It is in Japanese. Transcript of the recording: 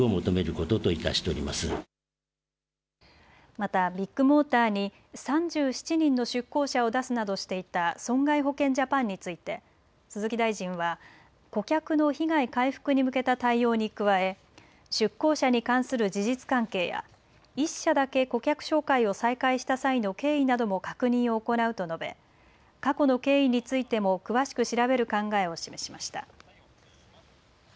またビッグモーターに３７人の出向者を出すなどしていた損害保険ジャパンについて鈴木大臣は顧客の被害回復に向けた対応に加え、出向者に関する事実関係や１社だけ顧客紹介を再開した際の経緯なども確認を行うと述べ過去の経緯についても詳しく調べる考えを示しました。